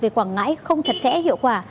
về quảng ngãi không chặt chẽ hiệu quả